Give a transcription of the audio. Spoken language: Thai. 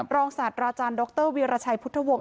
รองศาสตร์ดรวิราชัยพุทธวงศ์